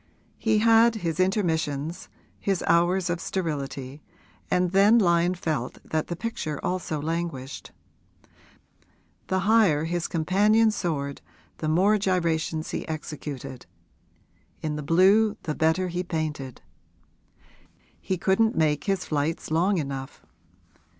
He had his intermissions, his hours of sterility, and then Lyon felt that the picture also languished. The higher his companion soared, the more gyrations he executed, in the blue, the better he painted; he couldn't make his flights long enough.